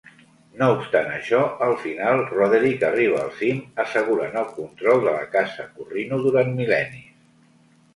No obstant això, al final Roderick arriba al cim assegurant el control de la Casa Corrino durant mil·lennis.